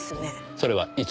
それはいつ？